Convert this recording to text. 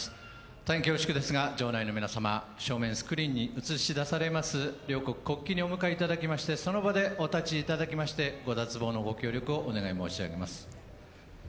大変恐縮ですが場内の皆様、スクリーンに映し出される両国国旗にお向かいいただき、その場でお立ちいただきましてご脱帽のご協力をお願い申し上げます。